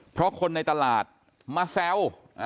เพราะคนในตลาดมาแซว